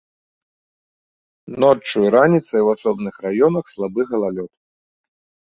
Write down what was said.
Ноччу і раніцай у асобных раёнах слабы галалёд.